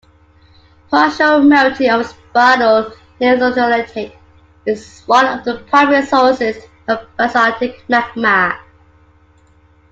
Partial melting of spinel lherzolite is one of the primary sources of basaltic magma.